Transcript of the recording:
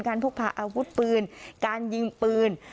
พกพาอาวุธปืนการยิงปืน